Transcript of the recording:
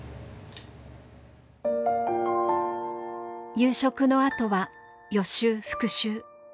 夕食のあとは予習復習。